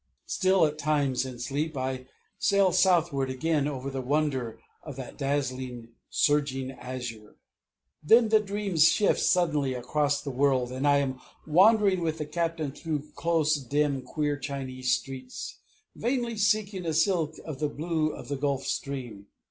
Still, at times, in sleep, I sail southward again over the wonder of that dazzling surging azure; then the dream shifts suddenly across the world, and I am wandering with the Captain through close dim queer Chinese streets, vainly seeking a silk of the Blue of the Gulf Stream.